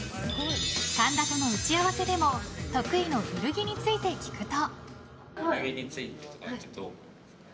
神田との打ち合わせでも得意の古着について聞くと。